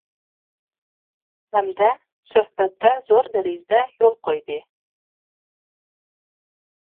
ھەمدە سۆھبەتتە زور دەرىجىدە يول قويدى.